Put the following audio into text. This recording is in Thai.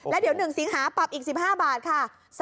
แล้วเดี๋ยว๑สิงหาปรับอีก๑๕บาทค่ะ